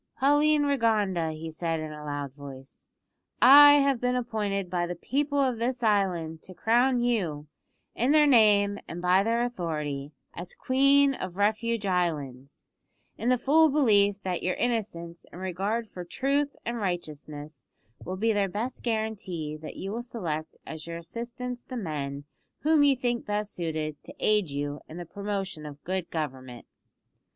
"Pauline Rigonda," he said in a loud voice, "I have been appointed by the people of this island to crown you, in their name and by their authority, as Queen of Refuge Islands, in the full belief that your innocence and regard for truth and righteousness will be their best guarantee that you will select as your assistants the men whom you think best suited to aid you in the promotion of good government."